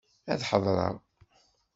Ad ḥadreɣ.